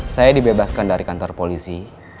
saya dibebaskan dari kantor polisi